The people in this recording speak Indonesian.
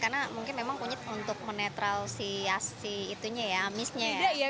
karena mungkin memang kunyit untuk menetral si as si itunya ya amisnya ya